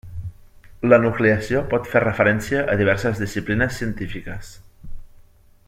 La nucleació pot fer referència a diverses disciplines científiques.